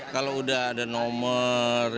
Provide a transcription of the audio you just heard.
kalau sudah ada nomor